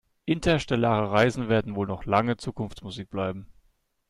Interstellare Reisen werden wohl noch lange Zukunftsmusik bleiben.